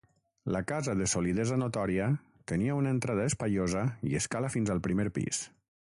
La casa de solidesa notòria, tenia una entrada espaiosa i escala fins al primer pis.